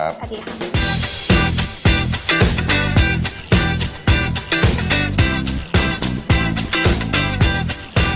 สวัสดีค่ะ